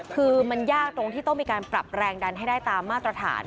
คือมันยากตรงที่ต้องมีการปรับแรงดันให้ได้ตามมาตรฐาน